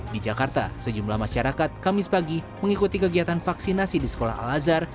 di jakarta sejumlah masyarakat kamis pagi mengikuti kegiatan vaksinasi di sekolah al azhar